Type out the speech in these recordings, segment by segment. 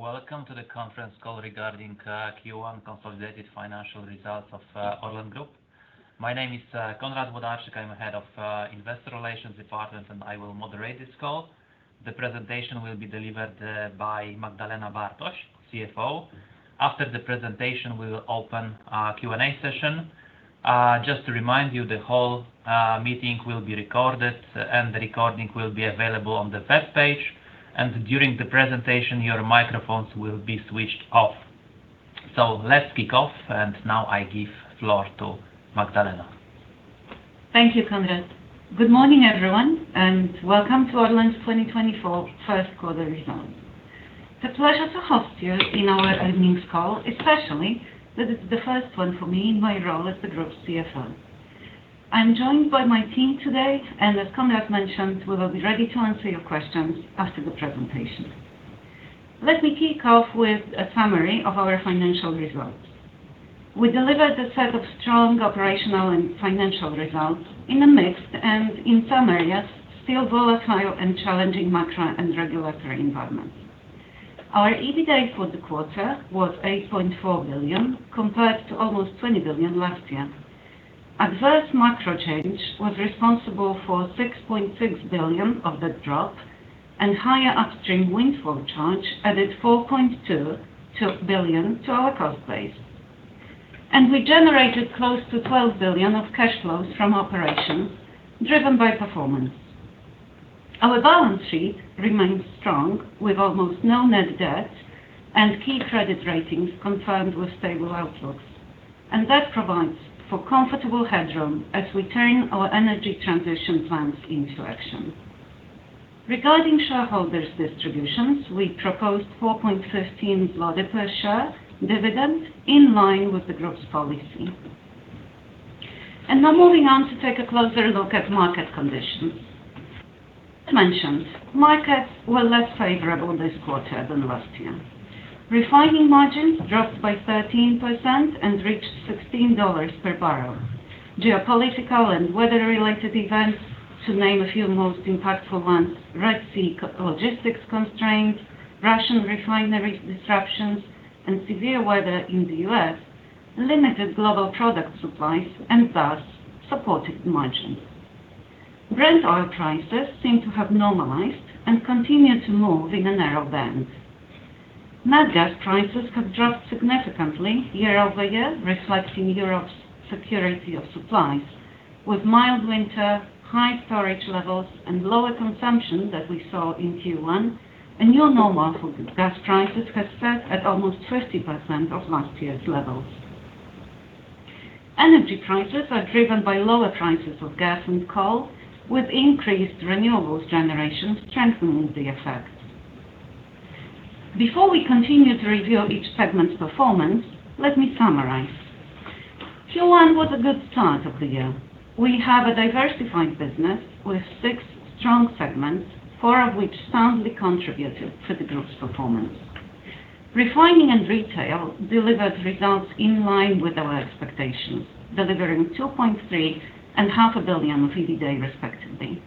Welcome to the conference call regarding Q1 consolidated financial results of ORLEN Group. My name is Konrad Włodarczyk. I'm Head of Investor Relations Department, and I will moderate this call. The presentation will be delivered by Magdalena Bartoś, CFO. After the presentation, we will open a Q&A session. Just to remind you, the whole meeting will be recorded, and the recording will be available on the first page, and during the presentation, your microphones will be switched off. So let's kick off, and now I give floor to Magdalena. Thank you, Konrad. Good morning, everyone, and welcome to ORLEN's 2024 first quarter results. It's a pleasure to host you in our earnings call, especially that it's the first one for me in my role as the Group's CFO. I'm joined by my team today, and as Konrad mentioned, we will be ready to answer your questions after the presentation. Let me kick off with a summary of our financial results. We delivered a set of strong operational and financial results in a mixed and, in some areas, still volatile and challenging macro and regulatory environment. Our EBITDA for the quarter was 8.4 billion, compared to almost 20 billion last year. Adverse macro change was responsible for 6.6 billion of the drop, and higher upstream windfall charge added 4.2 billion to our cost base. We generated close to 12 billion of cash flows from operations, driven by performance. Our balance sheet remains strong, with almost no net debt and key credit ratings confirmed with stable outlooks, and that provides for comfortable headroom as we turn our energy transition plans into action. Regarding shareholders' distributions, we proposed 4.15 per share dividend, in line with the group's policy. And now moving on to take a closer look at market conditions. As mentioned, markets were less favorable this quarter than last year. Refining margins dropped by 13% and reached $16 per barrel. Geopolitical and weather-related events, to name a few most impactful ones, Red Sea logistics constraints, Russian refinery disruptions, and severe weather in the U.S., limited global product supplies and thus supported margins. Brent oil prices seem to have normalized and continue to move in a narrow band. Nat gas prices have dropped significantly year-over-year, reflecting Europe's security of supplies. With mild winter, high storage levels, and lower consumption that we saw in Q1, a new normal for gas prices has set at almost 50% of last year's levels. Energy prices are driven by lower prices of gas and coal, with increased renewables generation strengthening the effect. Before we continue to review each segment's performance, let me summarize. Q1 was a good start of the year. We have a diversified business with six strong segments, four of which soundly contributed to the group's performance. Refining and retail delivered results in line with our expectations, delivering 2.3 billion and 0.5 billion of EBITDA, respectively.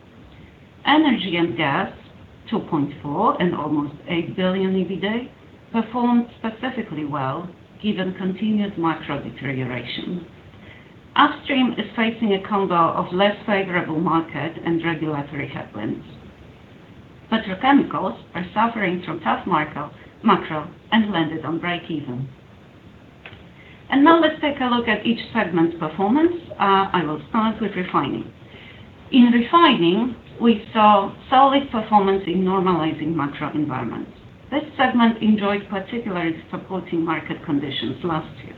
Energy and gas, 2.4 billion and almost 8 billion EBITDA, performed specifically well, given continued macro deterioration. Upstream is facing a combo of less favorable market and regulatory headwinds. Petrochemicals are suffering from tough micro, macro and landed on breakeven. And now let's take a look at each segment's performance. I will start with refining. In refining, we saw solid performance in normalizing macro environment. This segment enjoyed particularly supporting market conditions last year.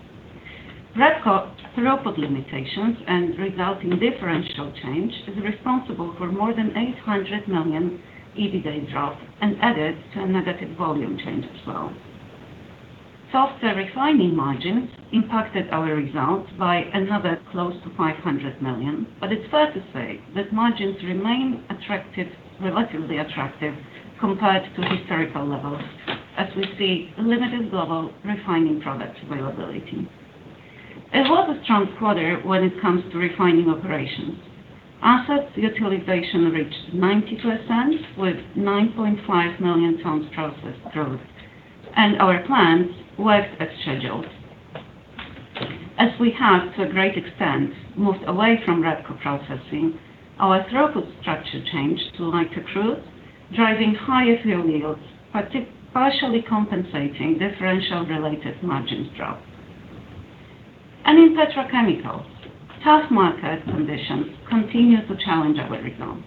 REBCO throughput limitations and resulting differential change is responsible for more than 800 million EBITDA drop and added to a negative volume change as well. Softer refining margins impacted our results by another close to 500 million, but it's fair to say that margins remain attractive, relatively attractive compared to historical levels, as we see limited global refining product availability. It was a strong quarter when it comes to refining operations. Assets utilization reached 90%, with 9.5 million tons processed through, and our plants worked as scheduled. As we have, to a great extent, moved away from REBCO processing, our throughput structure changed to lighter crude, driving higher fuel yields, partially compensating differential-related margins drop. In petrochemicals, tough market conditions continued to challenge our results.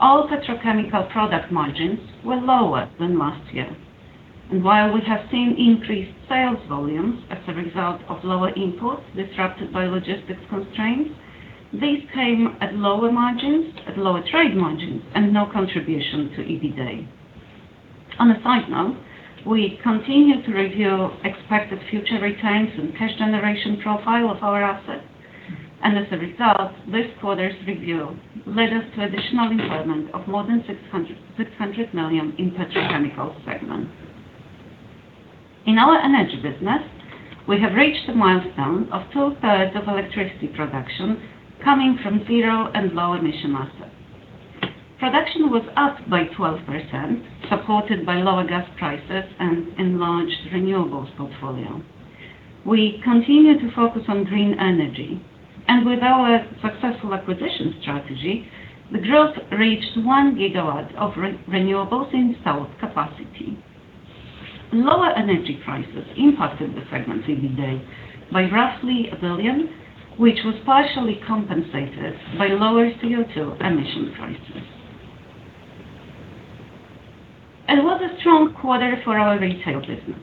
All petrochemical product margins were lower than last year, and while we have seen increased sales volumes as a result of lower imports disrupted by logistics constraints, these came at lower margins, at lower trade margins, and no contribution to EBITDA. On a side note, we continue to review expected future returns and cash generation profile of our assets. And as a result, this quarter's review led us to additional impairment of more than 600 million in petrochemical segment. In our energy business, we have reached a milestone of two-thirds of electricity production coming from zero and low-emission assets. Production was up by 12%, supported by lower gas prices and enlarged renewables portfolio. We continue to focus on green energy, and with our successful acquisition strategy, the growth reached 1 GW of renewables installed capacity. Lower energy prices impacted the segment's EBITDA by roughly 1 billion, which was partially compensated by lower CO2 emission prices. It was a strong quarter for our retail business,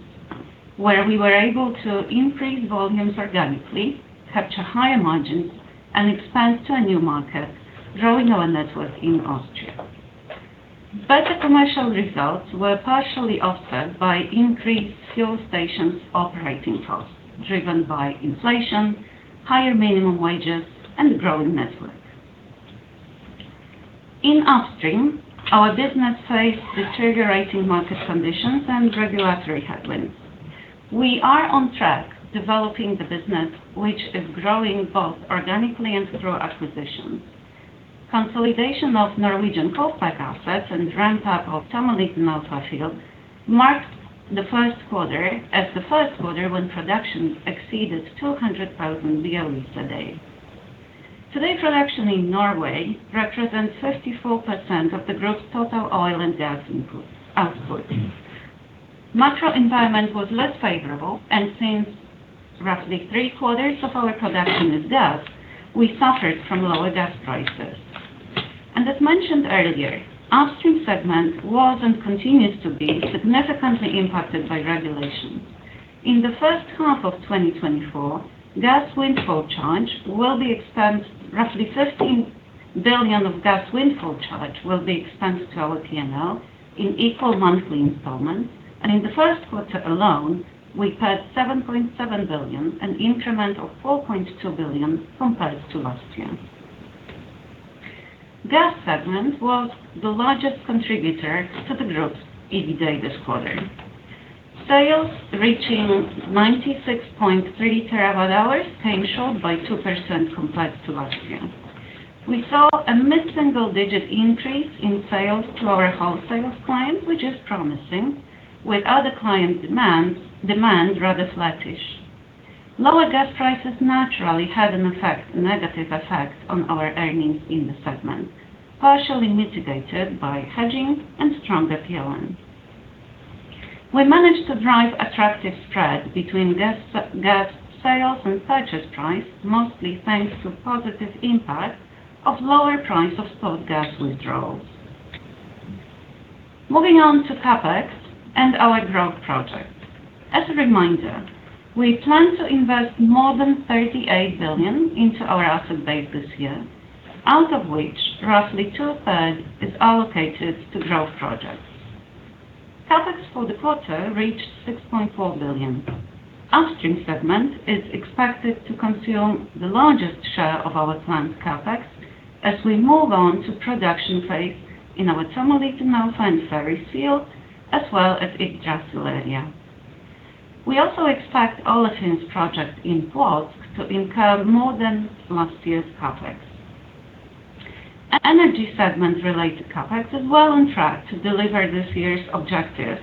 where we were able to increase volumes organically, capture higher margins, and expand to a new market, growing our network in Austria. Better commercial results were partially offset by increased fuel stations' operating costs, driven by inflation, higher minimum wages, and growing network. In Upstream, our business faced deteriorating market conditions and regulatory headwinds. We are on track developing the business, which is growing both organically and through acquisitions. Consolidation of Norwegian KUFPEC assets and ramp-up of Tommeliten Alpha field marked the first quarter as the first quarter when production exceeded 200,000 barrels a day. Today, production in Norway represents 54% of the group's total oil and gas input, output. Macro environment was less favorable, and since roughly three-quarters of our production is gas, we suffered from lower gas prices. As mentioned earlier, Upstream segment was and continues to be significantly impacted by regulations. In the first half of 2024, gas windfall charge will be expensed. Roughly 15 billion of gas windfall charge will be expensed to our P&L in equal monthly installments, and in the first quarter alone, we paid 7.7 billion, an increment of 4.2 billion compared to last year. Gas segment was the largest contributor to the group's EBITDA this quarter. Sales reaching 96.3 TWh, staying short by 2% compared to last year. We saw a mid-single-digit increase in sales to our wholesale clients, which is promising, with other client demands, demand rather flattish. Lower gas prices naturally had an effect, negative effect on our earnings in the segment, partially mitigated by hedging and stronger PLN. We managed to drive attractive spread between gas, gas sales and purchase price, mostly thanks to positive impact of lower price of spot gas withdrawals. Moving on to CapEx and our growth projects. As a reminder, we plan to invest more than 38 billion into our asset base this year, out of which roughly two-thirds is allocated to growth projects. CapEx for the quarter reached 6.4 billion. Upstream segment is expected to consume the largest share of our planned CapEx as we move on to production phase in our Tommeliten Alpha and Fenris field, as well as Yggdrasil area. We also expect Olefins project in Płock to incur more than last year's CapEx . Energy segment-related CapEx is well on track to deliver this year's objectives,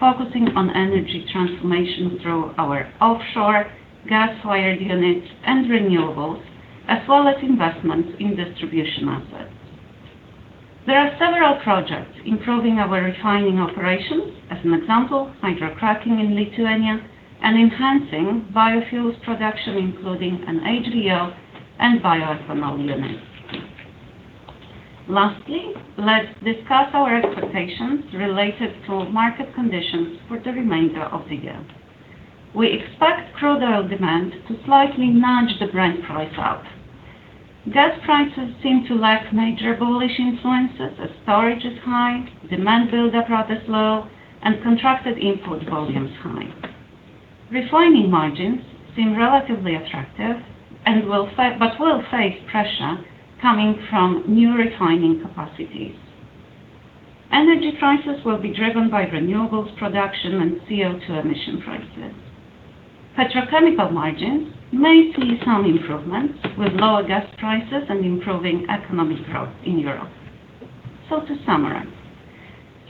focusing on energy transformation through our offshore gas-fired units and renewables, as well as investments in distribution assets. There are several projects improving our refining operations, as an example, hydrocracking in Lithuania, and enhancing biofuels production, including an HVO and bioethanol unit. Lastly, let's discuss our expectations related to market conditions for the remainder of the year. We expect crude oil demand to slightly nudge the Brent price up. Gas prices seem to lack major bullish influences as storage is high, demand buildup rather slow, and contracted input volumes high. Refining margins seem relatively attractive and will but will face pressure coming from new refining capacities. Energy prices will be driven by renewables production and CO2 emission prices. Petrochemical margins may see some improvements with lower gas prices and improving economic growth in Europe. So to summarize,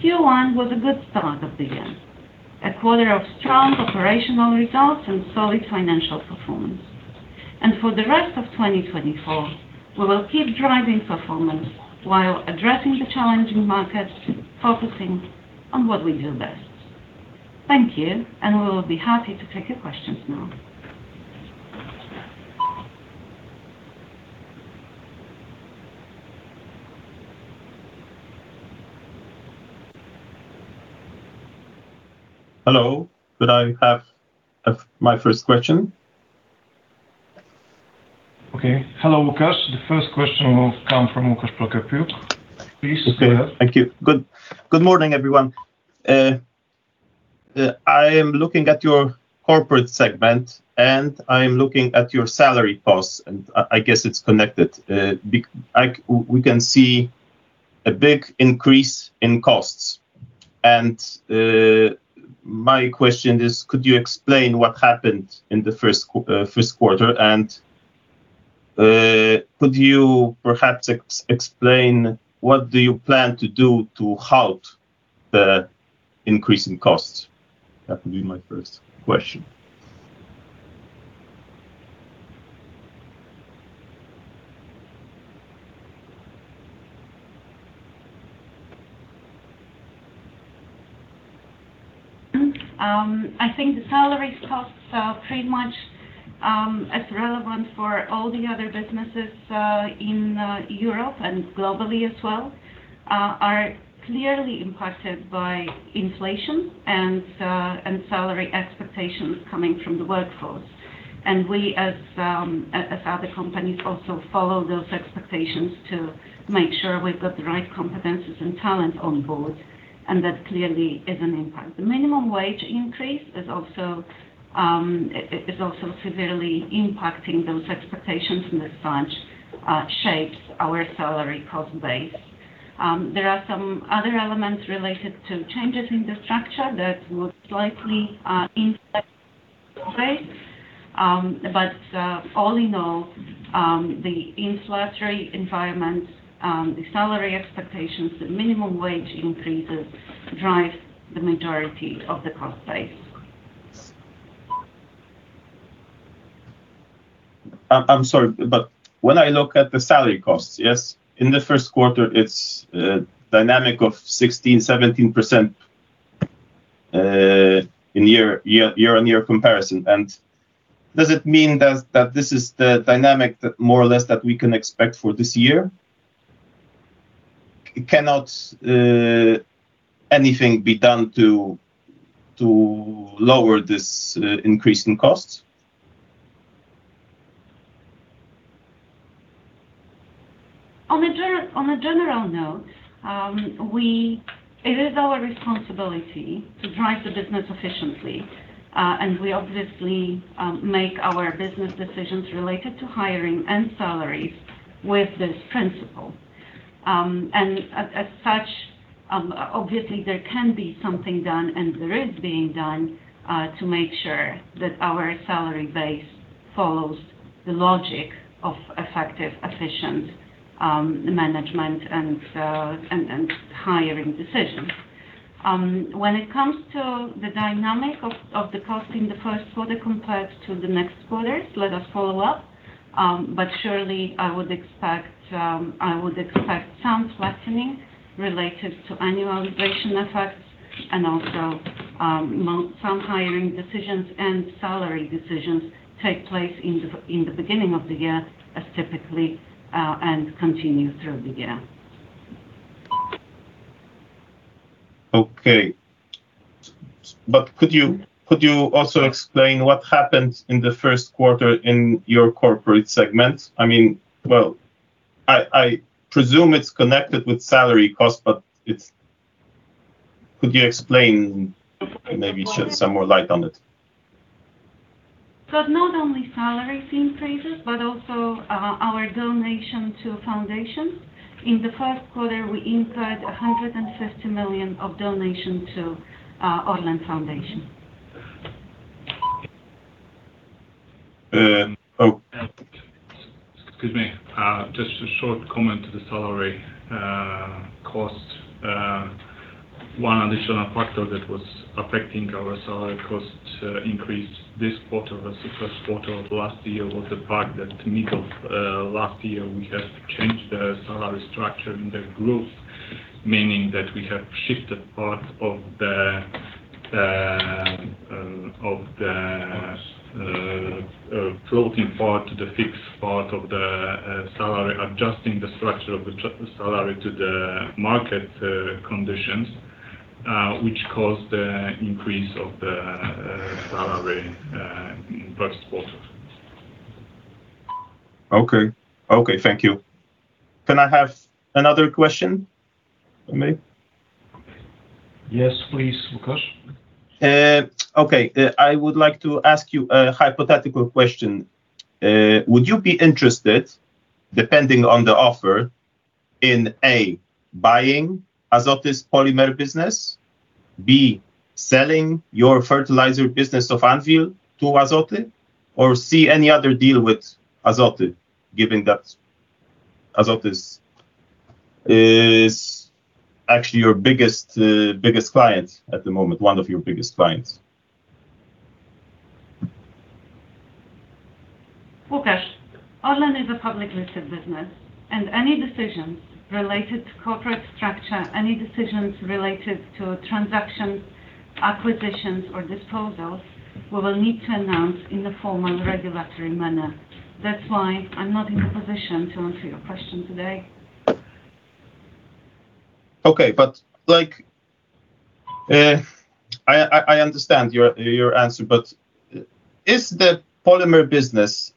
Q1 was a good start of the year, a quarter of strong operational results and solid financial performance. For the rest of 2024, we will keep driving performance while addressing the challenging market, focusing on what we do best. Thank you, and we will be happy to take your questions now. Hello, could I have my first question? Okay. Hello, Łukasz. The first question will come from Łukasz Prokopiuk. Please go ahead. Okay, thank you. Good morning, everyone. I am looking at your corporate segment, and I am looking at your salary costs, and I guess it's connected. We can see a big increase in costs. My question is, could you explain what happened in the first quarter? And could you perhaps explain what do you plan to do to halt the increase in costs? That would be my first question. I think the salary costs are pretty much as relevant for all the other businesses in Europe and globally as well are clearly impacted by inflation and salary expectations coming from the workforce. And we, as other companies, also follow those expectations to make sure we've got the right competencies and talent on board, and that clearly is an impact. The minimum wage increase is also severely impacting those expectations, and as such shapes our salary cost base. There are some other elements related to changes in the structure that would likely impact the cost base. But all in all, the inflationary environment, the salary expectations, the minimum wage increases drive the majority of the cost base. I'm sorry, but when I look at the salary costs, yes, in the first quarter, it's a dynamic of 16%-17% in year-on-year comparison. Does it mean that this is the dynamic that more or less we can expect for this year? Cannot anything be done to lower this increase in costs? On a general note, It is our responsibility to drive the business efficiently, and we obviously make our business decisions related to hiring and salaries with this principle. And as such, obviously, there can be something done, and there is being done, to make sure that our salary base follows the logic of effective, efficient management and hiring decisions. When it comes to the dynamic of the cost in the first quarter compared to the next quarters, let us follow up. But surely, I would expect some flattening related to annualization effects, and also, some hiring decisions and salary decisions take place in the beginning of the year, as typically, and continue through the year. Okay. But could you also explain what happened in the first quarter in your corporate segment? I mean, well, I presume it's connected with salary costs, but it's... Could you explain and maybe shed some more light on it? Not only salary increases, but also our donation to a foundation. In the first quarter, we incurred 150 million of donation to ORLEN Foundation. Oh, excuse me. Just a short comment to the salary cost. One additional factor that was affecting our salary cost increase this quarter versus first quarter of last year was the fact that middle of last year we have changed the salary structure in the group, meaning that we have shifted part of the floating part to the fixed part of the salary, adjusting the structure of the salary to the market conditions, which caused the increase of the salary first quarter. Okay. Okay, thank you. Can I have another question, maybe? Yes, please, Łukasz. Okay. I would like to ask you a hypothetical question. Would you be interested, depending on the offer, in, A, buying Azoty polymer business, B, selling your fertilizer business of Anwil to Azoty, or, C, any other deal with Azoty, given that Azoty is actually your biggest client at the moment, one of your biggest clients? Łukasz, ORLEN is a public-listed business, and any decisions related to corporate structure, any decisions related to transactions, acquisitions, or disposals, we will need to announce in the formal regulatory manner. That's why I'm not in a position to answer your question today. Okay, but like, I understand your answer, but is the polymer business,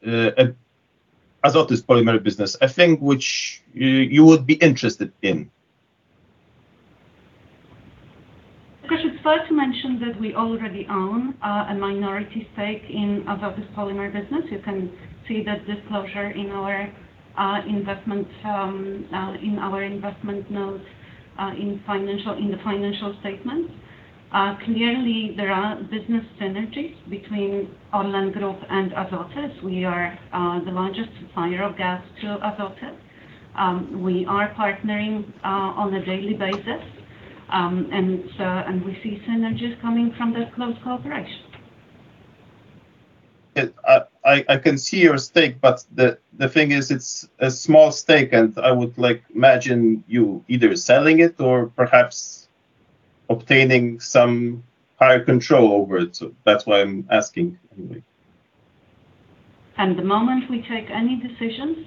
Azoty's Polymer business, a thing which you would be interested in? Łukasz, it's fair to mention that we already own a minority stake in Azoty's polymer business. You can see that disclosure in our investment in our investment notes in financial- in the financial statements. Clearly there are business synergies between ORLEN Group and Azoty. We are the largest supplier of gas to Azoty. We are partnering on a daily basis, and so, and we see synergies coming from that close cooperation. I can see your stake, but the thing is, it's a small stake, and I would, like, imagine you either selling it or perhaps obtaining some higher control over it. So that's why I'm asking, anyway. The moment we take any decisions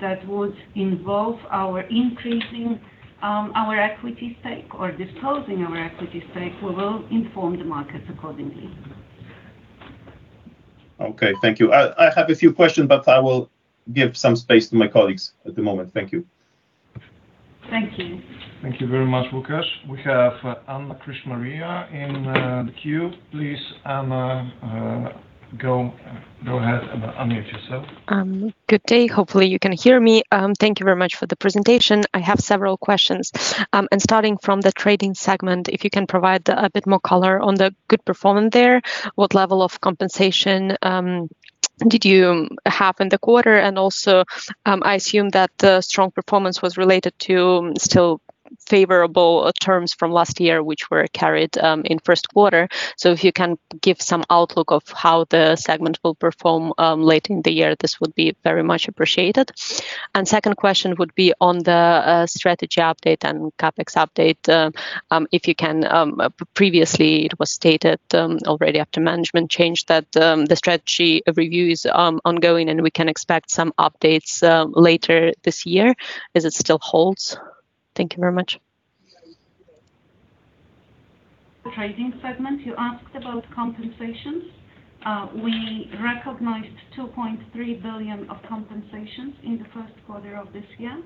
that would involve our increasing our equity stake or disposing our equity stake, we will inform the market accordingly. Okay, thank you. I have a few questions, but I will give some space to my colleagues at the moment. Thank you. Thank you. Thank you very much, Lucas. We have, Anna Kishmariya in, the queue. Please, Anna, go, go ahead and unmute yourself. Good day. Hopefully, you can hear me. Thank you very much for the presentation. I have several questions. And starting from the trading segment, if you can provide a bit more color on the good performance there. What level of compensation did you have in the quarter? And also, I assume that the strong performance was related to still favorable terms from last year, which were carried in first quarter. So if you can give some outlook of how the segment will perform late in the year, this would be very much appreciated. And second question would be on the strategy update and CapEx update. If you can... Previously, it was stated already after management change that the strategy review is ongoing, and we can expect some updates later this year. Is it still holds? Thank you very much. The trading segment, you asked about compensations. We recognized 2.3 billion of compensations in the first quarter of this year.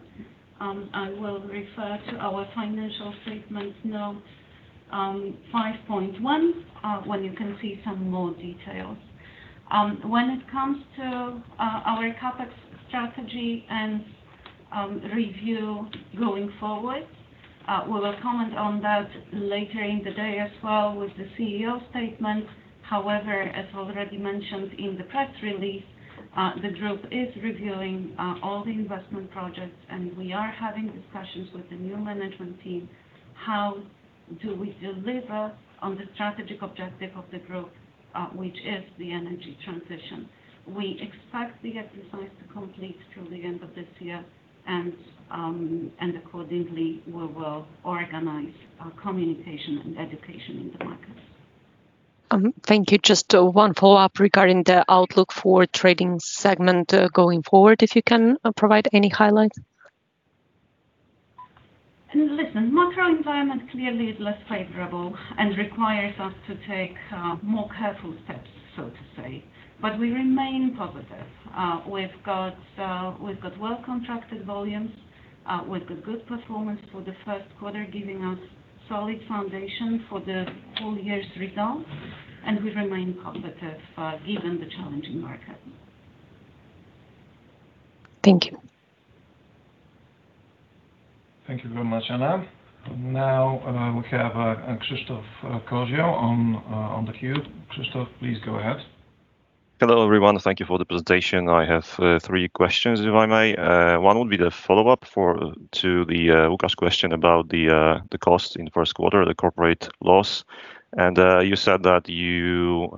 I will refer to our financial statements, note 5.1, where you can see some more details. When it comes to our CapEx strategy and review going forward, we will comment on that later in the day as well with the CEO statement. However, as already mentioned in the press release, the group is reviewing all the investment projects, and we are having discussions with the new management team, how do we deliver on the strategic objective of the group, which is the energy transition. We expect the exercise to complete through the end of this year, and accordingly, we will organize communication and education in the market. Thank you. Just one follow-up regarding the outlook for trading segment, going forward, if you can provide any highlights. Listen, macro environment clearly is less favorable and requires us to take more careful steps, so to say, but we remain positive. We've got well-contracted volumes. We've got good performance for the first quarter, giving us solid foundation for the full year's results, and we remain positive given the challenging market. Thank you. Thank you very much, Anna. Now, we have, Krzysztof Kozioł on, on the queue. Krzysztof, please go ahead. Hello, everyone. Thank you for the presentation. I have three questions, if I may. One would be the follow-up to the Lucas question about the cost in first quarter, the corporate loss. You said that you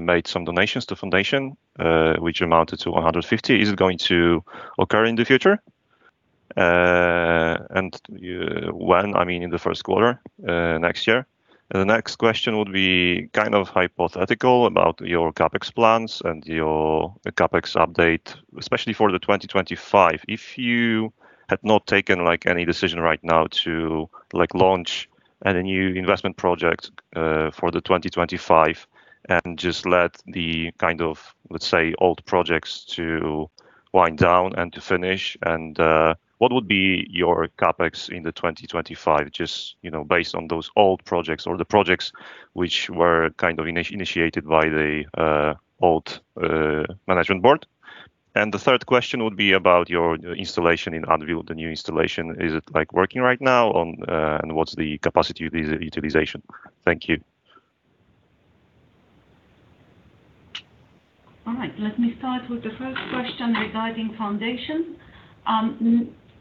made some donations to foundation, which amounted to 150. Is it going to occur in the future? And when, I mean, in the first quarter next year? The next question would be kind of hypothetical about your CapEx plans and your CapEx update, especially for 2025. If you had not taken, like, any decision right now to, like, launch any new investment project for the 2025 and just let the, kind of, let's say, old projects to wind down and to finish, and what would be your CapEx in the 2025, just, you know, based on those old projects or the projects which were kind of initiated by the old management board? And the third question would be about your installation in Anwil, the new installation. Is it, like, working right now, and what's the capacity utilization? Thank you. All right. Let me start with the first question regarding foundation.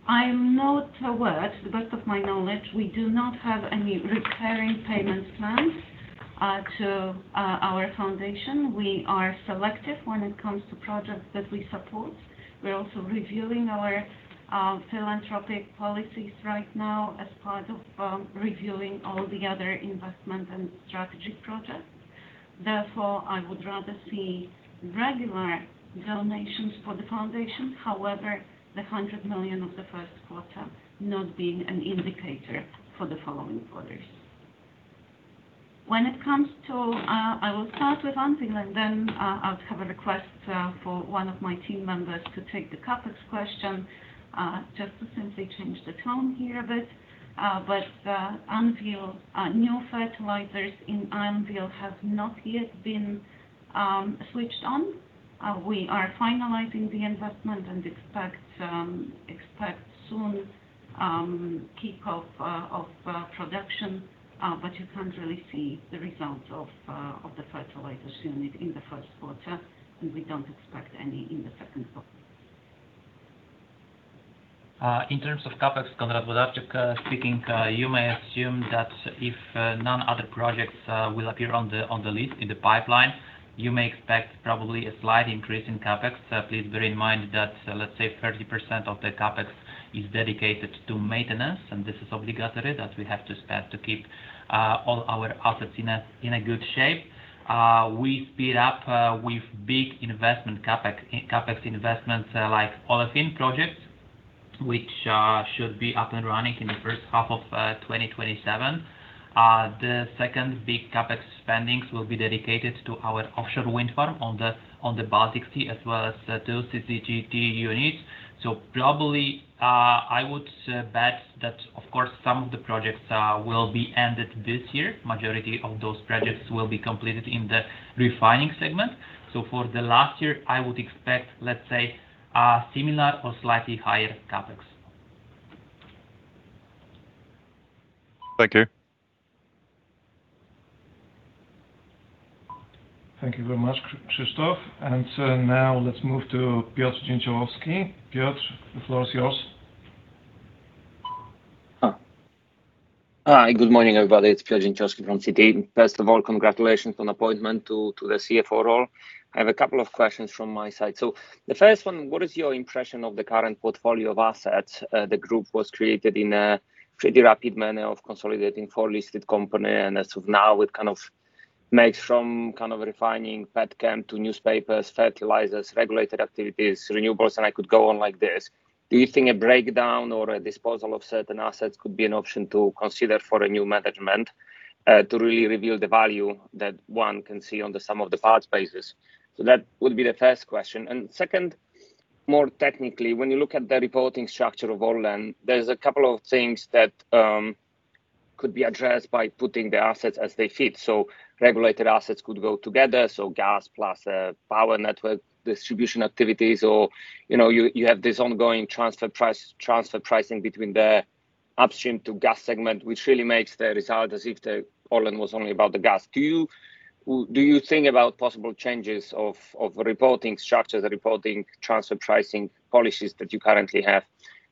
I'm not aware, to the best of my knowledge, we do not have any recurring payments plans to our foundation. We are selective when it comes to projects that we support. We're also reviewing our philanthropic policies right now as part of reviewing all the other investment and strategic projects. Therefore, I would rather see regular donations for the foundation. However, the 100 million of the first quarter not being an indicator for the following quarters. When it comes to, I will start with Anwil, and then I'll have a request for one of my team members to take the CapEx question just to simply change the tone here a bit. But Anwil new fertilizers in Anwil have not yet been switched on. We are finalizing the investment and expect soon kick off of production, but you can't really see the results of the fertilizers unit in the first quarter, and we don't expect any in the second quarter. In terms of CapEx, Konrad Włodarczyk speaking, you may assume that if none other projects will appear on the list in the pipeline, you may expect probably a slight increase in CapEx. Please bear in mind that, let's say 30% of the CapEx is dedicated to maintenance, and this is obligatory, that we have to spend to keep all our assets in a good shape. We speed up with big investment CapEx investments like Olefins projects, which should be up and running in the first half of 2027. The second big CapEx spendings will be dedicated to our offshore wind farm on the Baltic Sea, as well as the two CCGT units. So probably, I would bet that, of course, some of the projects will be ended this year. Majority of those projects will be completed in the refining segment. So for the last year, I would expect, let's say, a similar or slightly higher CapEx. Thank you. Thank you very much, Krzysztof. Now let's move to Piotr Dzięciołowski. Piotr, the floor is yours. Hi, good morning, everybody. It's Piotr Dzięciołowski from Citi. First of all, congratulations on appointment to, to the CFO role. I have a couple of questions from my side. So the first one, what is your impression of the current portfolio of assets? The group was created in a pretty rapid manner of consolidating four-listed company, and as of now, it kind of makes from kind of refining petchem to newspapers, fertilizers, regulated activities, renewables, and I could go on like this. Do you think a breakdown or a disposal of certain assets could be an option to consider for a new management, to really reveal the value that one can see on the sum of the parts basis? So that would be the first question. And second, more technically, when you look at the reporting structure of ORLEN, there's a couple of things that could be addressed by putting the assets as they fit, so regulated assets could go together, so gas plus power network distribution activities or, you know, you have this ongoing transfer pricing between the upstream to gas segment, which really makes the result as if the ORLEN was only about the gas. Do you think about possible changes of reporting structures, reporting transfer pricing policies that you currently have?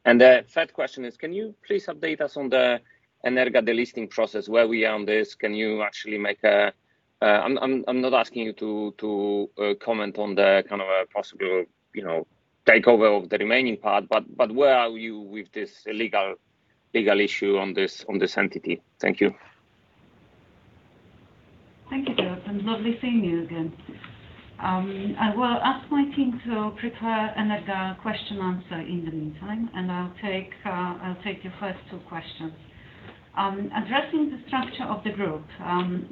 And the third question is, can you please update us on the Energa, the listing process, where we are on this? Can you actually make a. I'm not asking you to comment on the kind of a possible, you know, takeover of the remaining part, but where are you with this legal issue on this entity? Thank you. Thank you, Piotr, and lovely seeing you again. I will ask my team to prepare an Energa question-answer in the meantime, and I'll take, I'll take your first two questions. Addressing the structure of the group,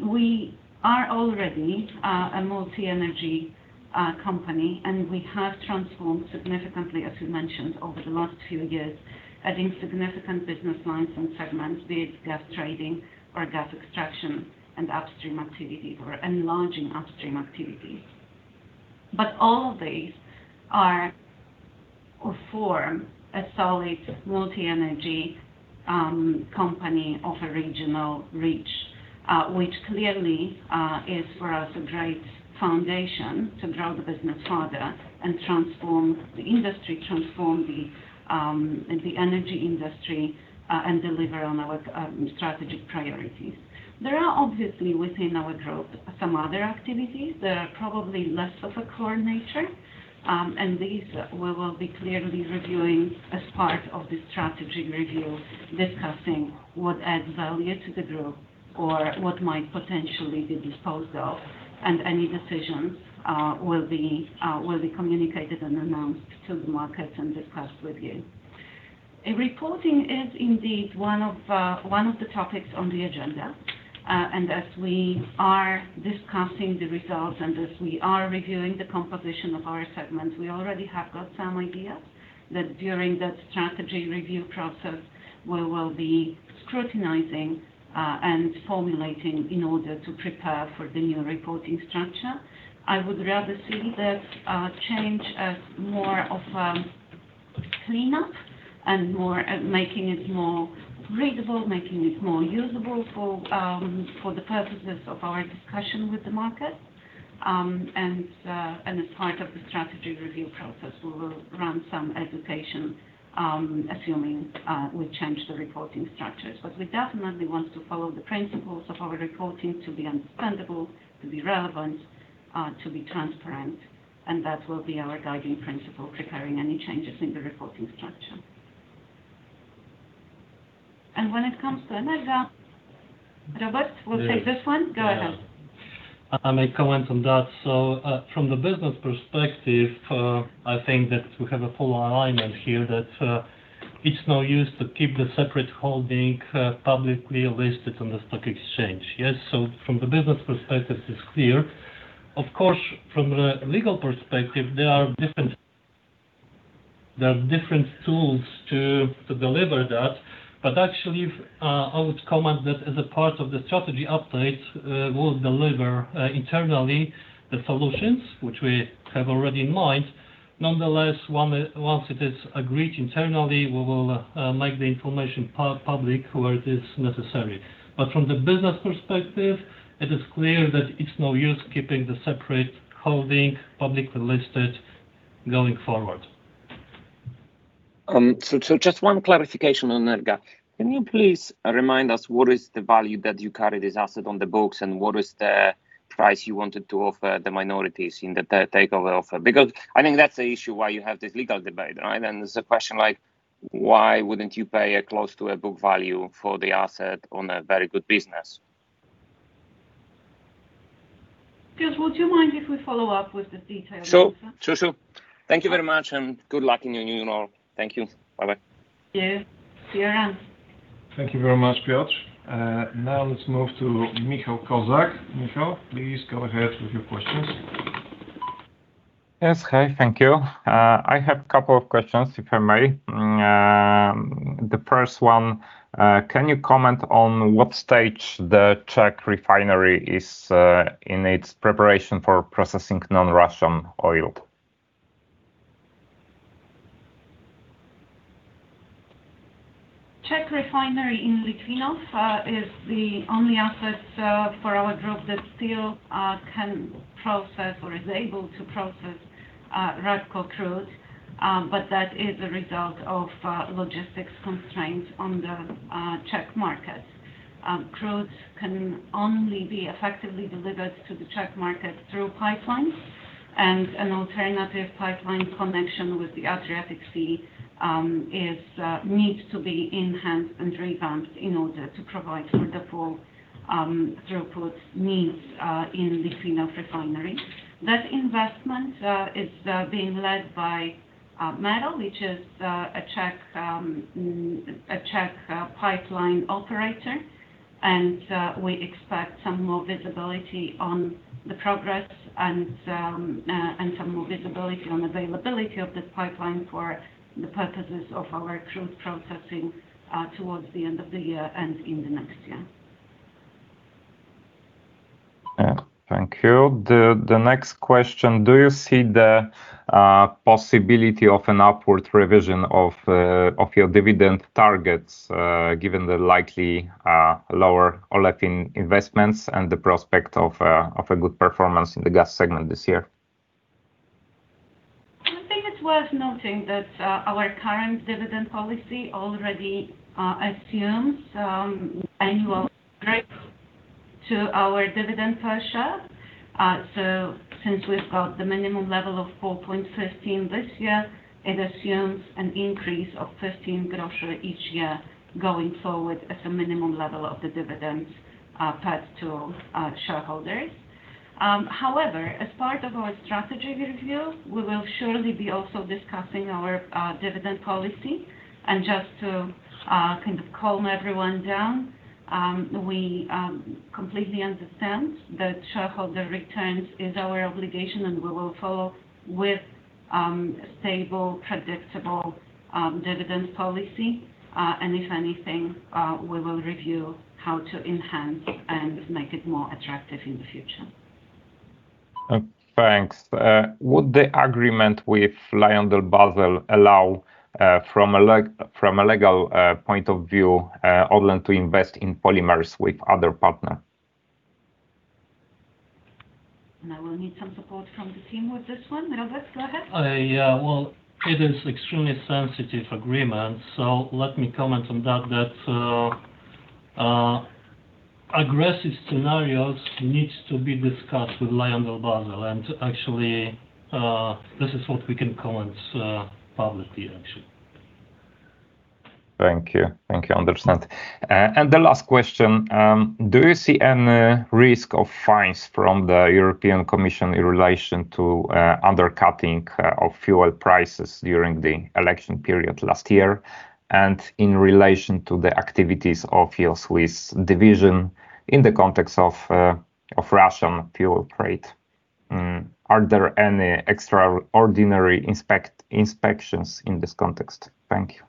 we are already a multi-energy company, and we have transformed significantly, as we mentioned, over the last few years, adding significant business lines and segments, be it gas trading or gas extraction and upstream activities, or enlarging upstream activities. But all of these are, or form, a solid multi-energy company of a regional reach, which clearly is, for us, a great foundation to grow the business further and transform the industry, transform the energy industry, and deliver on our strategic priorities. There are obviously, within our group, some other activities that are probably less of a core nature, and these we will be clearly reviewing as part of this strategy review, discussing what adds value to the group or what might potentially be disposed of, and any decisions will be communicated and announced to the market and discussed with you. Reporting is indeed one of the topics on the agenda. And as we are discussing the results and as we are reviewing the composition of our segments, we already have got some ideas that during the strategy review process, we will be scrutinizing and formulating in order to prepare for the new reporting structure. I would rather see this change as more of a cleanup and more... Making it more readable, making it more usable for the purposes of our discussion with the market. And as part of the strategy review process, we will run some education, assuming we change the reporting structures. But we definitely want to follow the principles of our reporting to be understandable, to be relevant, to be transparent, and that will be our guiding principle preparing any changes in the reporting structure. And when it comes to Energa, Robert will take this one? Yes. Go ahead. I may comment on that. So, from the business perspective, I think that we have a full alignment here, that it's no use to keep the separate holding publicly listed on the stock exchange. Yes, so from the business perspective, it's clear. Of course, from the legal perspective, there are different tools to deliver that... but actually, I would comment that as a part of the strategy update, we'll deliver internally the solutions which we have already in mind. Nonetheless, once it is agreed internally, we will make the information public where it is necessary. But from the business perspective, it is clear that it's no use keeping the separate holding publicly listed going forward. So, just one clarification on that, guys. Can you please remind us what is the value that you carry this asset on the books, and what is the price you wanted to offer the minorities in the ta- takeover offer? Because I think that's the issue why you have this legal debate, right? And there's a question, like, why wouldn't you pay a close to a book value for the asset on a very good business? Piotr, would you mind if we follow up with the details? Sure. Sure, sure. Thank you very much, and good luck in your new role. Thank you. Bye-bye. Yeah. See you around. Thank you very much, Piotr. Now let's move to Michał Kozak. Michał, please go ahead with your questions. Yes. Hi, thank you. I have a couple of questions, if I may. The first one, can you comment on what stage the Czech refinery is in its preparation for processing non-Russian oil? Czech refinery in Litvinov is the only asset for our group that still can process or is able to process REBCO crude, but that is a result of logistics constraints on the Czech market. Crude can only be effectively delivered to the Czech market through pipeline, and an alternative pipeline connection with the Adriatic Sea is needs to be enhanced and revamped in order to provide for the full throughput needs in Litvinov refinery. That investment is being led by MERO, which is a Czech pipeline operator, and we expect some more visibility on the progress and some more visibility on availability of this pipeline for the purposes of our crude processing towards the end of the year and in the next year. Yeah. Thank you. The next question: Do you see the possibility of an upward revision of your dividend targets, given the likely lower Olefins investments and the prospect of a good performance in the gas segment this year? I think it's worth noting that, our current dividend policy already assumes annual to our dividend per share. So since we've got the minimum level of 4.15 this year, it assumes an increase of 0.15 each year going forward as a minimum level of the dividend paid to shareholders. However, as part of our strategy review, we will surely be also discussing our dividend policy. And just to kind of calm everyone down, we completely understand that shareholder returns is our obligation, and we will follow with stable, predictable dividend policy. And if anything, we will review how to enhance and make it more attractive in the future. Thanks. Would the agreement with LyondellBasell allow, from a legal point of view, ORLEN to invest in polymers with other partner? I will need some support from the team with this one. Robert, go ahead. Yeah, well, it is extremely sensitive agreement, so let me comment on that, aggressive scenarios needs to be discussed with LyondellBasell. And actually, this is what we can comment publicly, actually. Thank you. Thank you. Understand. And the last question: Do you see any risk of fines from the European Commission in relation to undercutting of fuel prices during the election period last year, and in relation to the activities of your Swiss division in the context of Russian fuel trade? Are there any extraordinary inspections in this context? Thank you.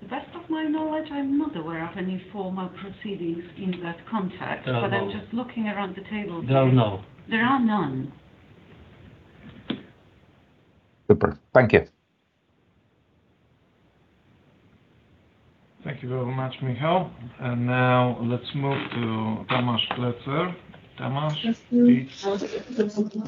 To the best of my knowledge, I'm not aware of any formal proceedings in that context but I'm just looking around the table here. There are no. There are none. Super. Thank you. Thank you very much, Michał. Now let's move to Tamas Pletser. Tamas, please.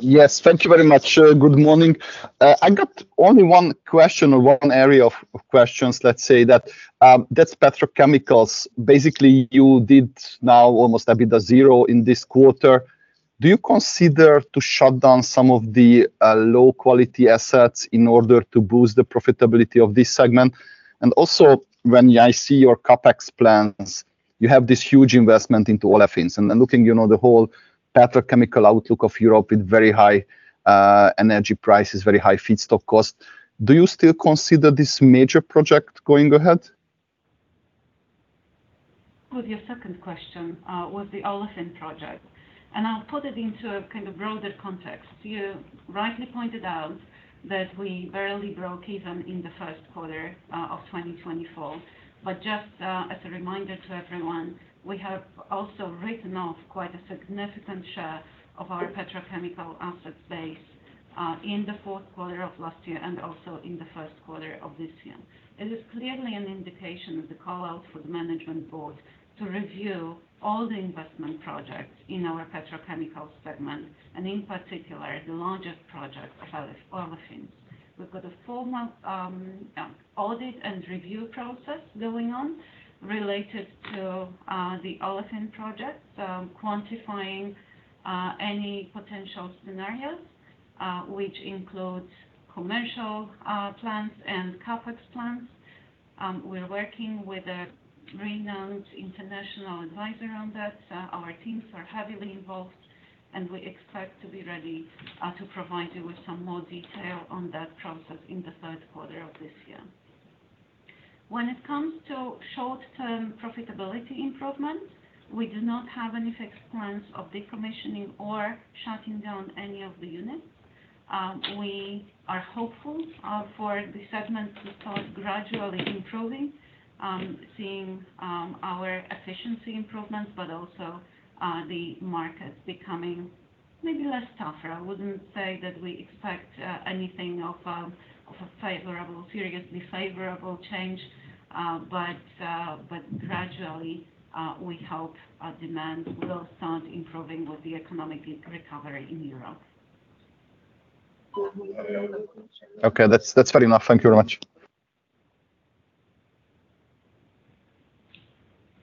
Yes, thank you very much. Good morning. I got only one question or one area of questions, let's say, that's petrochemicals. Basically, you did now almost EBITDA zero in this quarter. Do you consider to shut down some of the low-quality assets in order to boost the profitability of this segment? And also, when I see your CapEx plans, you have this huge investment into Olefins. And looking, you know, the whole petrochemical outlook of Europe with very high energy prices, very high feedstock cost, do you still consider this major project going ahead? With your second question, was the Olefins project, and I'll put it into a kind of broader context. You rightly pointed out that we barely broke even in the first quarter of 2024. But just, as a reminder to everyone, we have also written off quite a significant share of our petrochemical asset base, in the fourth quarter of last year, and also in the first quarter of this year. It is clearly an indication of the call out for the management board to review all the investment projects in our petrochemical segment, and in particular, the largest project of Olefins. We've got a 4-month audit and review process going on related to the Olefins project. So quantifying any potential scenarios, which includes commercial plans and CapEx plans. We're working with a renowned international advisor on that. Our teams are heavily involved, and we expect to be ready to provide you with some more detail on that process in the third quarter of this year. When it comes to short-term profitability improvements, we do not have any fixed plans of decommissioning or shutting down any of the units. We are hopeful for the segment to start gradually improving, seeing our efficiency improvements, but also the markets becoming maybe less tougher. I wouldn't say that we expect anything of a favorable, seriously favorable change, but but gradually we hope demand will start improving with the economic re-recovery in Europe. Okay, that's, that's fair enough. Thank you very much.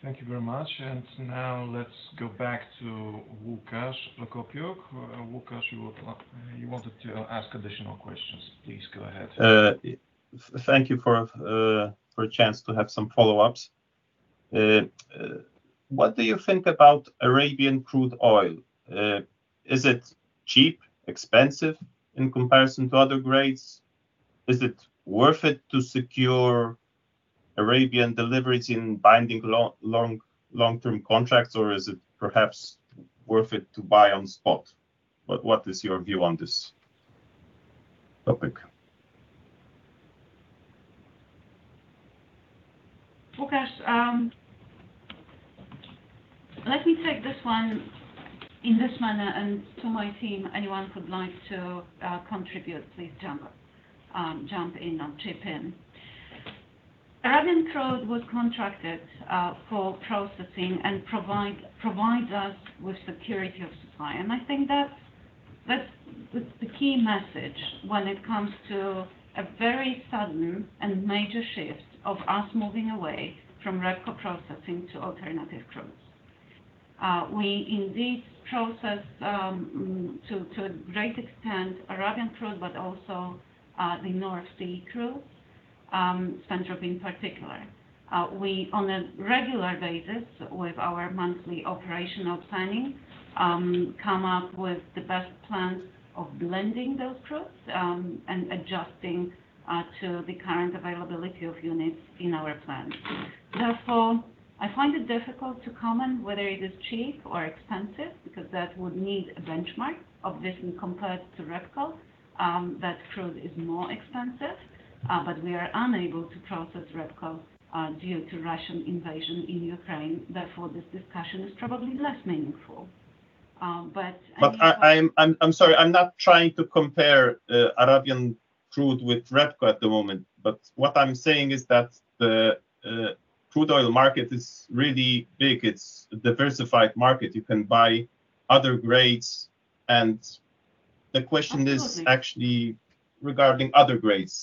Thank you very much. Now let's go back to Łukasz Prokopiuk. Łukasz, you, you wanted to ask additional questions. Please, go ahead. Thank you for a chance to have some follow-ups. What do you think about Arabian crude oil? Is it cheap, expensive in comparison to other grades? Is it worth it to secure Arabian deliveries in binding long-term contracts, or is it perhaps worth it to buy on spot? What is your view on this topic? Łukasz, let me take this one in this manner, and to my team, anyone who would like to, contribute, please jump, jump in or chip in. Arabian crude was contracted for processing and provide, provide us with security of supply. And I think that's, that's the, the key message when it comes to a very sudden and major shift of us moving away from REBCO processing to alternative crudes. We indeed process, to, to a great extent, Arabian crude, but also, the North Sea crude, Central, in particular. We, on a regular basis with our monthly operational planning, come up with the best plans of blending those crudes, and adjusting, to the current availability of units in our plants. Therefore, I find it difficult to comment whether it is cheap or expensive, because that would need a benchmark of this compared to REBCO, that crude is more expensive, but we are unable to process REBCO, due to Russian invasion in Ukraine. Therefore, this discussion is probably less meaningful. But- But I'm sorry. I'm not trying to compare Arabian crude with RREBCO at the moment, but what I'm saying is that the crude oil market is really big. It's a diversified market. You can buy other grades, and the question is actually regarding other grades.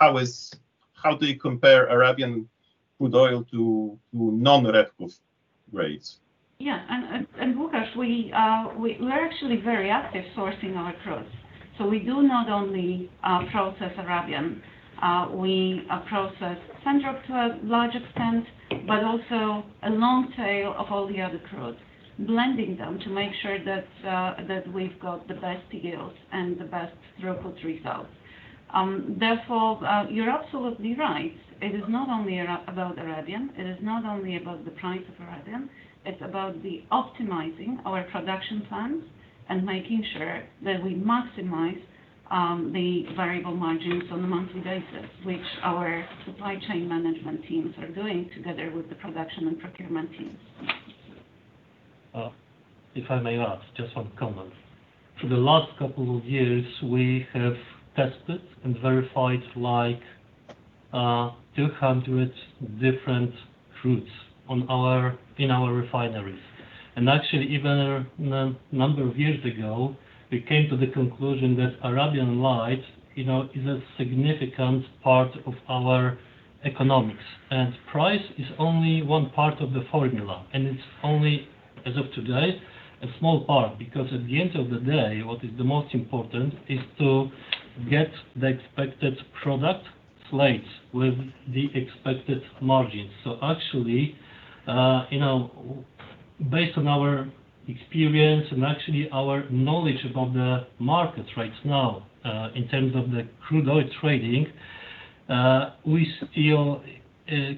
How do you compare Arabian crude oil to, to non-REBCO grades? Yeah. And, and, and Łukasz, we're actually very active sourcing our crudes. So we do not only process Arabian, we process Central to a large extent, but also a long tail of all the other crudes, blending them to make sure that we've got the best yields and the best throughput results. Therefore, you're absolutely right. It is not only about Arabian, it is not only about the price of Arabian, it's about the optimizing our production plans and making sure that we maximize the variable margins on a monthly basis, which our supply chain management teams are doing together with the production and procurement teams. If I may add just one comment. For the last couple of years, we have tested and verified, like, 200 different crudes in our refineries. And actually, even a number of years ago, we came to the conclusion that Arabian Light, you know, is a significant part of our economics. And price is only one part of the formula, and it's only, as of today, a small part, because at the end of the day, what is the most important is to get the expected product slate with the expected margins. So actually, you know, based on our experience and actually our knowledge about the market right now, in terms of the crude oil trading, we still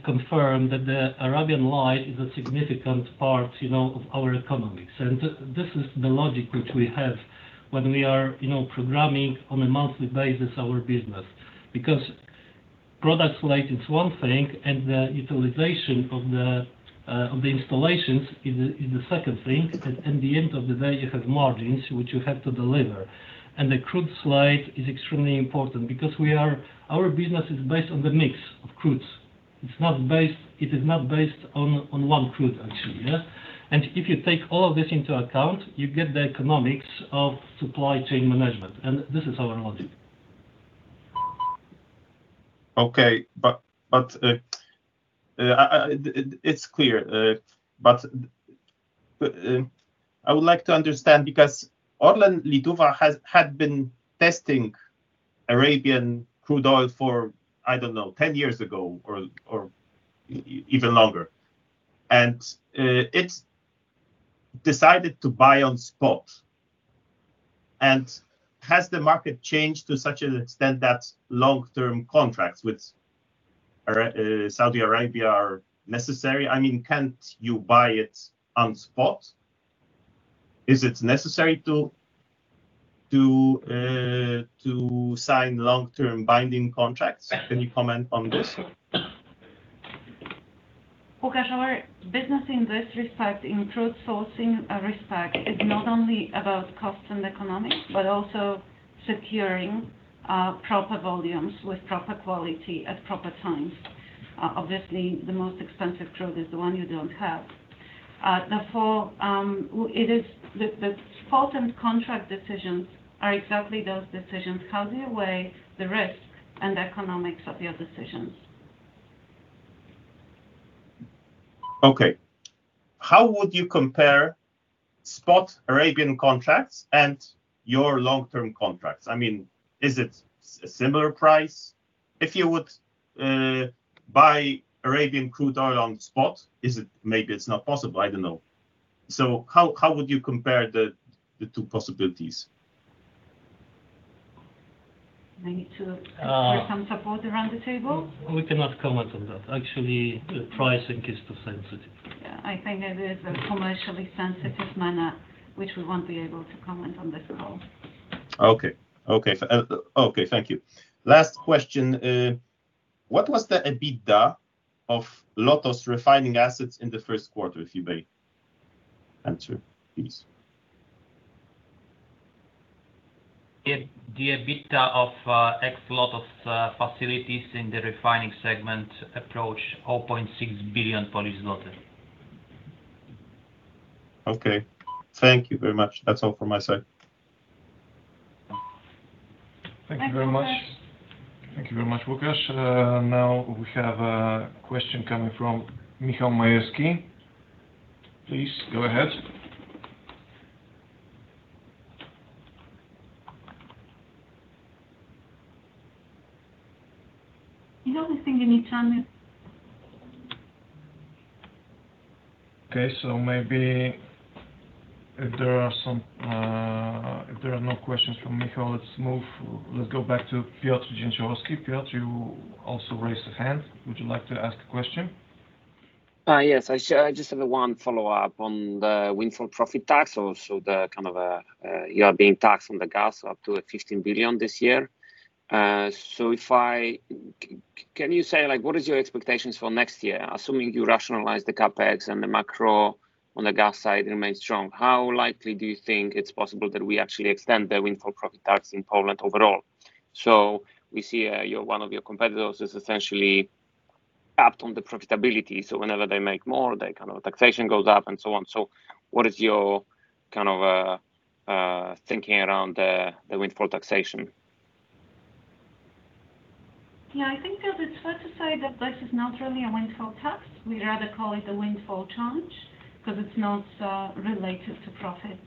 confirm that the Arabian Light is a significant part, you know, of our economy. So this is the logic which we have when we are, you know, programming on a monthly basis our business. Because product slate is one thing, and the utilization of the installations is the second thing. At the end of the day, you have margins, which you have to deliver, and the crude slate is extremely important because our business is based on the mix of crudes. It's not based, it is not based on one crude, actually, yeah? And if you take all of this into account, you get the economics of supply chain management, and this is our logic. Okay, but it's clear. But I would like to understand, because ORLEN Lietuva has had been testing Arabian crude oil for, I don't know, 10 years ago or even longer, and it's decided to buy on spot. And has the market changed to such an extent that long-term contracts with Saudi Arabia are necessary? I mean, can't you buy it on spot? Is it necessary to sign long-term binding contracts? Can you comment on this? Łukasz, our business in this respect, in crude sourcing respect, is not only about cost and economics, but also securing proper volumes with proper quality at proper times. Obviously, the most expensive crude is the one you don't have. Therefore, the spot and contract decisions are exactly those decisions. How do you weigh the risk and economics of your decisions? Okay. How would you compare spot Arabian contracts and your long-term contracts? I mean, is it a similar price? If you would buy Arabian crude oil on spot, is it, maybe it's not possible, I don't know. So how would you compare the two possibilities? I need to get some support around the table. We cannot comment on that. Actually, the pricing is too sensitive. Yeah, I think it is a commercially sensitive matter, which we won't be able to comment on this call. Okay, thank you. Last question: What was the EBITDA of LOTOS refining assets in the first quarter, if you may answer, please? The EBITDA of ex-LOTOS facilities in the refining segment approached PLN 0.6 billion. Okay. Thank you very much. That's all from my side. Thank you very much. Thank you. Thank you very much, Łukasz. Now we have a question coming from Michał Majewski. Please, go ahead. Okay, so maybe if there are no questions from Michał, let's move. Let's go back to Piotr Dzięciołowski. Piotr, you also raised a hand. Would you like to ask a question? Yes. I just have a one follow-up on the windfall profit tax, or so the kind of, you are being taxed on the gas up to 15 billion this year. So if I can you say, like, what is your expectations for next year? Assuming you rationalize the CapEx and the macro on the gas side remains strong, how likely do you think it's possible that we actually extend the windfall profit tax in Poland overall? So we see, your, one of your competitors is essentially capped on the profitability, so whenever they make more, their, kind of, taxation goes up, and so on. So what is your, kind of, thinking around the, the windfall taxation? Yeah, I think that it's fair to say that this is not really a windfall tax. We'd rather call it a windfall charge, 'cause it's not related to profit.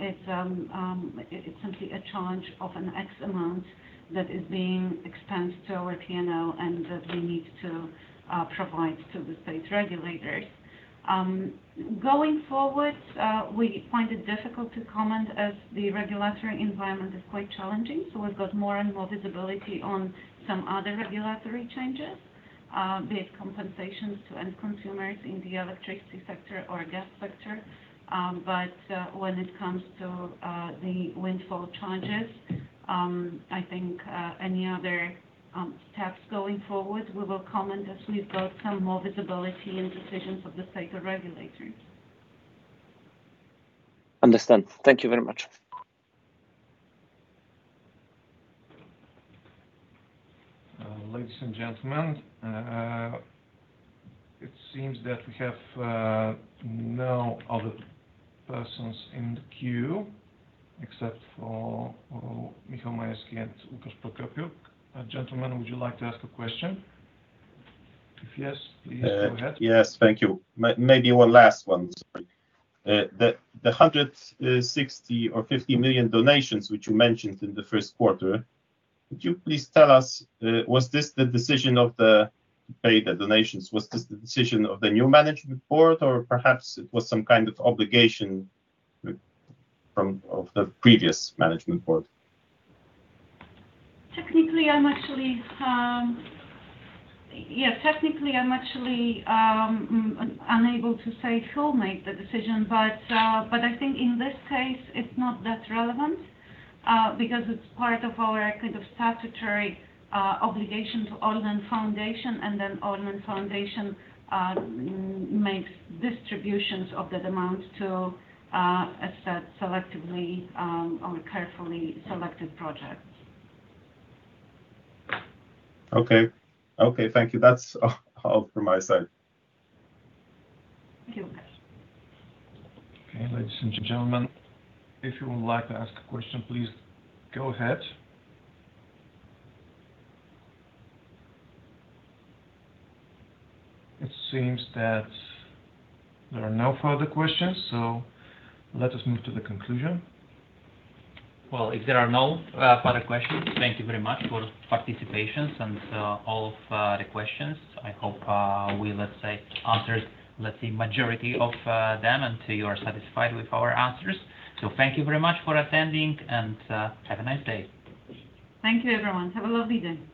It's simply a charge of an X amount that is being extended to our P&L, and that we need to provide to the state regulators. Going forward, we find it difficult to comment as the regulatory environment is quite challenging, so we've got more and more visibility on some other regulatory changes, be it compensations to end consumers in the electricity sector or gas sector. But when it comes to the windfall charges, I think any other tax going forward, we will comment as we've got some more visibility and decisions of the state regulators. Understand. Thank you very much. Ladies and gentlemen, it seems that we have no other persons in the queue except for Michał Majewski and Łukasz Prokopiuk. Gentlemen, would you like to ask a question? If yes, please go ahead. Yes. Thank you. Maybe one last one, sorry. The 160 million or 50 million donations, which you mentioned in the first quarter, could you please tell us, was this the decision of the- to pay the donations, was this the decision of the new management board, or perhaps it was some kind of obligation with, from, of the previous management board? Technically, I'm actually unable to say who made the decision, but I think in this case, it's not that relevant, because it's part of our, a kind of statutory obligation to ORLEN Foundation, and then ORLEN Foundation makes distributions of that amount to a set selectively on a carefully selected project. Okay. Okay, thank you. That's all from my side. Thank you. Okay. Ladies and gentlemen, if you would like to ask a question, please go ahead. It seems that there are no further questions, so let us move to the conclusion. Well, if there are no further questions, thank you very much for participations and all of the questions. I hope we, let's say, answered, let's say, majority of them, and you are satisfied with our answers. So thank you very much for attending, and have a nice day. Thank you, everyone. Have a lovely day.